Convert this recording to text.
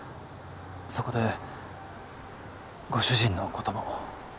そこでご主人のことも。